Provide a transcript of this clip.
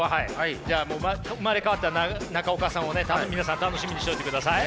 じゃあ生まれ変わった中岡さんをね皆さん楽しみにしておいてください。